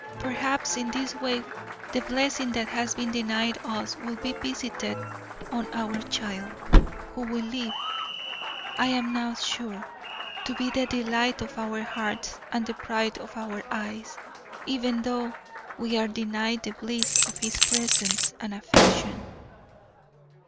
Perhaps in this way the blessing that has been denied us will be visited on our child, who will live. I am now sure, to be the delight of our hearts and the pride of our eyes, even though we are denied the bliss of his presence and affection.